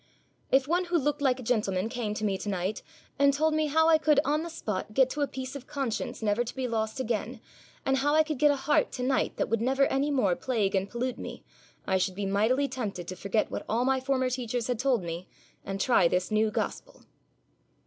'If one who looked like a gentleman came to me to night and told me how I could on the spot get to a peace of conscience never to be lost again, and how I could get a heart to night that would never any more plague and pollute me, I should be mightily tempted to forget what all my former teachers had told me, and try this new gospel.'